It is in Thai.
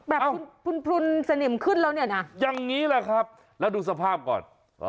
พลุนสนิมขึ้นแล้วเนี่ยนะอย่างนี้แหละครับแล้วดูสภาพก่อน